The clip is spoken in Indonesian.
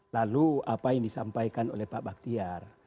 lalu apa yang disampaikan oleh pak baktiar